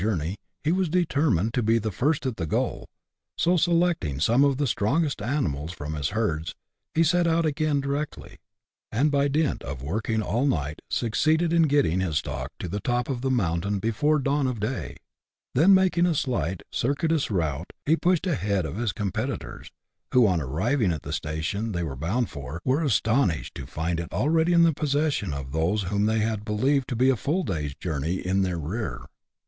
19 journey, he was determined to be first at the goal ; so, selecting some of the strongest animals from his herds, he set out again directly, and by dint of working all night succeeded in getting his stock to the top of the mountain before dawn of day. Then making a slightly circuitous route, he pushed a head of his com petitors, who, on arriving at the station they were bound for, were astonished to find it already in the possession of those whom they had believed to be a full day's journey in their rear.